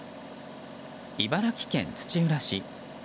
茨城県土浦市。